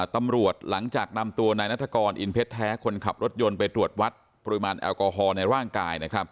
ตำรวจหลังจากนำตัวนายนัฐกรอินเพชรแท้คนขับรถยนต์ไปตรวจวัดปริมาณแอลกอฮอล์ในร่างกาย